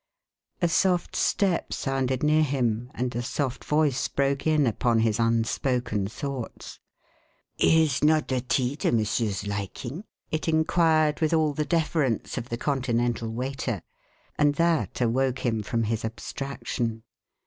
A soft step sounded near him and a soft voice broke in upon his unspoken thoughts. "Is not the tea to Monsieur's liking?" it inquired with all the deference of the Continental waiter. And that awoke him from his abstraction.